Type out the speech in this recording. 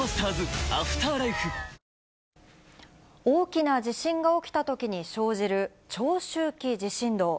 大きな地震が起きたときに生じる長周期地震動。